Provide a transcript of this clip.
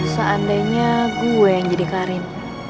seandainya gue yang jadi karin